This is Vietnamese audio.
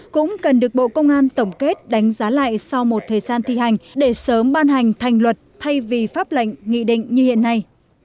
cũng cần được bộ công an tổng kết đánh giá lại sau một thời gian thi hành để sớm ban hành thành luật thay vì pháp lệnh nghị định như hiện nay